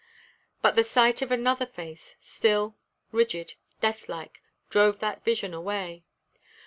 But the sight of another face still, rigid, death like drove that vision away.